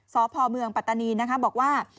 สพปตนีบอกว่า